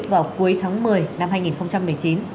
vào cuối tháng một mươi năm hai nghìn một mươi chín